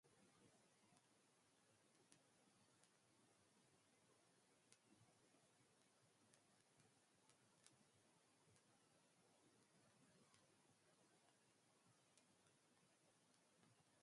A statue memorializing Putnam stands in Hartford's Bushnell Park, near the Connecticut State Capitol.